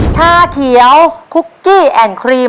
ชาเขียวคุกกี้แอนด์ครีม